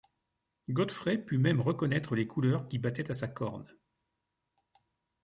Godfrey put même reconnaître les couleurs qui battaient à sa corne.